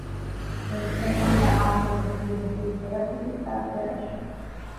მოიხსენიება არმაზის ბილინგვის სერაფიტის წარწერაში.